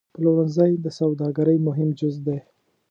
پلورنځی د سوداګرۍ مهم جز دی.